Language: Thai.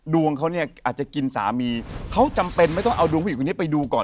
ดวงเขาเนี่ยอาจจะกินสามีเขาจำเป็นไม่ต้องเอาดวงผู้หญิงคนนี้ไปดูก่อน